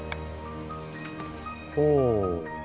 ほう。